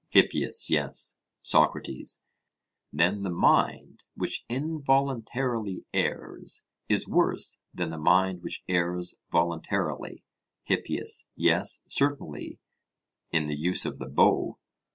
HIPPIAS: Yes. SOCRATES: Then the mind which involuntarily errs is worse than the mind which errs voluntarily? HIPPIAS: Yes, certainly, in the use of the bow.